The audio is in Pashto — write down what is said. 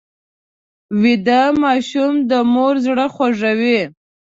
ویده ماشوم د مور زړه خوږوي